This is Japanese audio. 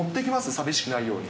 寂しくないように。